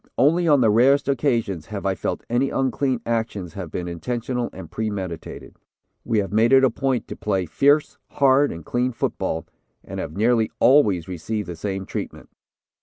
Only on the rarest occasions have I felt any unclean actions have been intentional and premeditated. We have made it a point to play fierce, hard and clean football, and have nearly always received the same treatment.